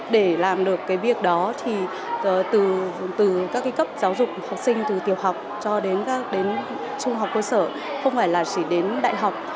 để làm được việc đó từ các cấp giáo dục học sinh từ tiểu học cho đến trung học cơ sở không phải chỉ đến đại học